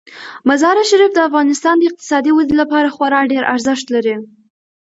مزارشریف د افغانستان د اقتصادي ودې لپاره خورا ډیر ارزښت لري.